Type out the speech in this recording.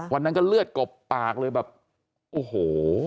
วันนั้นก็เลือดกบปากเลยแบบโอ้โห